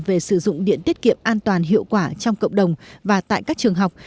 về sử dụng điện tiết kiệm an toàn hiệu quả trong cộng đồng và tại các trường học